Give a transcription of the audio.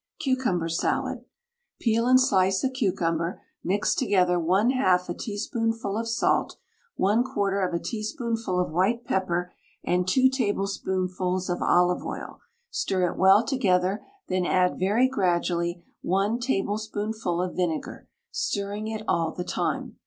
CUCUMBER SALAD. Peel and slice a cucumber, mix together 1/2 a teaspoonful of salt, 1/4 of a teaspoonful of white pepper, and 2 tablespoonfuls of olive oil, stir it well together, then add very gradually 1 tablespoonful of vinegar, stirring it all the time.